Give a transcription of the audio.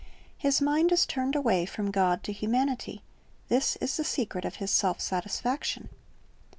His mind is turned away from God to humanity. This is the secret of his self satisfaction.